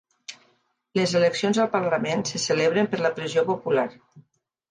Les eleccions al parlament se celebren per la pressió popular